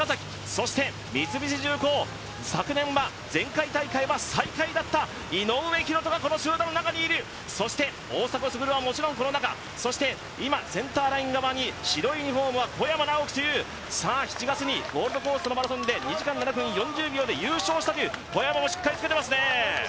そして、三菱重工、前回大会は最下位だった井上大仁がこの集団の中にいる、そして大迫傑はもちろんこの中、今、センターライン側に白いユニフォームは小山直城という、７月にゴールドコーストのマラソンで２時間７分４０秒で優勝したという小山もしっかりつけていますね。